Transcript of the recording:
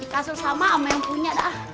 dikasul sama sama yang punya dah